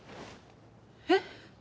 えっ？